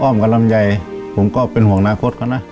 อ้อมกับลำไยผมก็เป็นห่วงนาคต